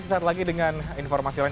sesaat lagi dengan informasi lain